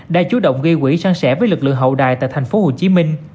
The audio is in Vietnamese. đã chú động ghi quỹ sáng sẻ với lực lượng hậu đài tại tp hcm